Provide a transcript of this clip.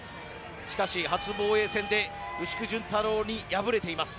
しかし、初防衛戦で牛久絢太郎に敗れています。